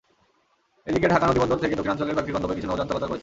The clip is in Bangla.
এদিন ঢাকা নদীবন্দর থেকে দক্ষিণাঞ্চলের কয়েকটি গন্তব্যে কিছু নৌযান চলাচল করেছে।